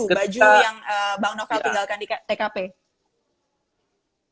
baju yang bang novel tinggalkan di tkp